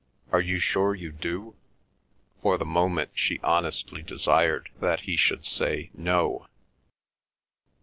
Are you sure you do?" For the moment she honestly desired that he should say no.